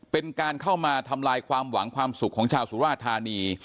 เป็นการเข้ามาทำลายความหวังความสุขของชาวสุราธานี